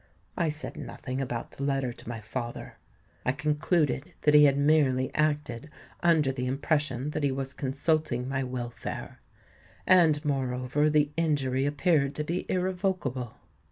I said nothing about the letter to my father: I concluded that he had merely acted under the impression that he was consulting my welfare; and moreover the injury appeared to be irrevocable.